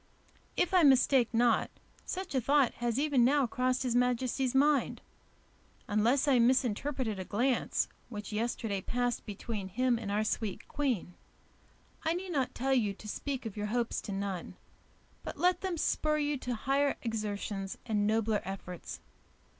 If I mistake not, such a thought has even now crossed his majesty's mind, unless I misinterpreted a glance which yesterday passed between him and our sweet queen. I need not tell you to speak of your hopes to none, but let them spur you to higher exertions and nobler efforts.